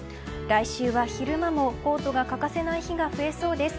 来週は昼間もコートが欠かせない日が続きそうです。